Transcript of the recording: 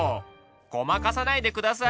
ごまかさないで下さい。